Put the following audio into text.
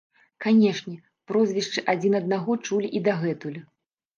Канешне, прозвішчы адзін аднаго чулі і дагэтуль.